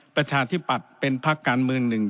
ประชาธิปัตย์เป็นพักการเมืองหนึ่ง